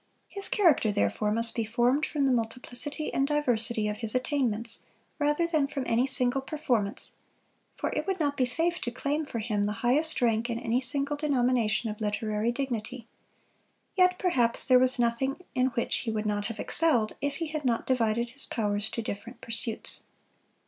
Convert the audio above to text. His character, therefore, must be formed from the multiplicity and diversity of his attainments, rather than from any single performance; for it would not be safe to claim for him the highest rank in any single denomination of literary dignity; yet perhaps there was nothing in which he would not have excelled, if he had not divided his powers to different pursuits.